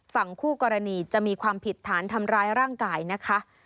ฝั่งคู่กรณีจะมีความผิดฐานทำร้ายร่างกายนะคะ